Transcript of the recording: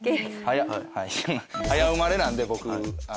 早生まれなんで僕。